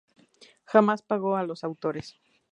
Jamás pagó a los autores.